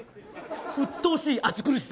うっとうしい熱苦しさ。